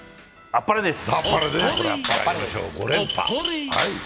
あっぱれです。